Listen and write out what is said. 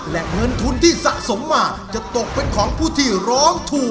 และเงินทุนที่สะสมมาจะตกเป็นของผู้ที่ร้องถูก